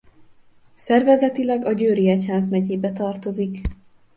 Szervezetileg a győri egyházmegyébe tartozik.